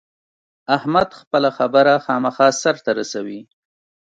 احمد خپله خبره خامخا سر ته رسوي.